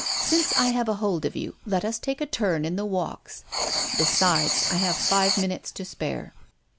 Since I have a hold of you, let us take a turn in the walks. Besides, I have five minutes to spare."